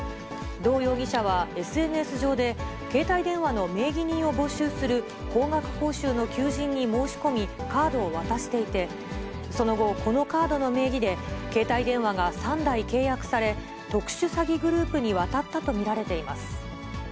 ドー容疑者は、ＳＮＳ上で、携帯電話の名義人を募集する高額報酬の求人に申し込み、カードを渡していて、その後、このカードの名義で、携帯電話が３台契約され、特殊詐欺グループに渡ったと見られています。